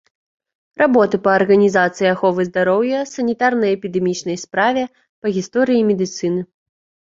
Работы па арганізацыі аховы здароўя, санітарна-эпідэмічнай справе, па гісторыі медыцыны.